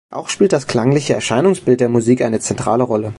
Auch spielt das klangliche Erscheinungsbild der Musik eine zentrale Rolle.